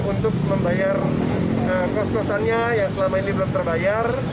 untuk membayar kos kosannya yang selama ini belum terbayar